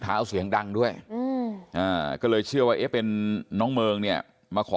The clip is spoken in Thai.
เสียงดังด้วยก็เลยเชื่อว่าเอ๊ะเป็นน้องเมิงเนี่ยมาขอ